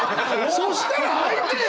そしたら相手！